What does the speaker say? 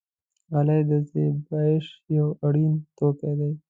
غلۍ د زېبایش یو اړین توکی دی.